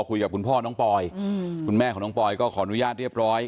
คุยกับคุณพ่อน้องปอยคุณแม่ของน้องปอยก็ขออนุญาตเรียบร้อย